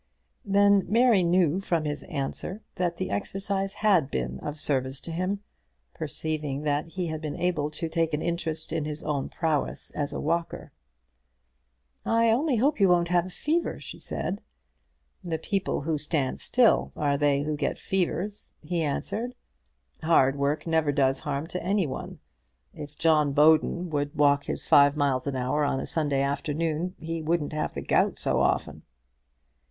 Then Mary knew from his answer that the exercise had been of service to him, perceiving that he had been able to take an interest in his own prowess as a walker. "I only hope you won't have a fever," she said. "The people who stand still are they who get fevers," he answered. "Hard work never does harm to any one. If John Bowden would walk his five miles an hour on a Sunday afternoon he wouldn't have the gout so often."